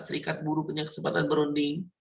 serikat buruh punya kesempatan berunding